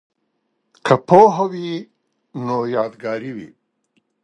که پوهه وي نو یادګار وي.